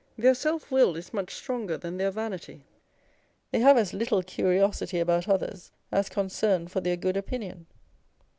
Their selfwill .is much stronger than their vanity â€" they have as little curiosity about others as concern for their good opinion.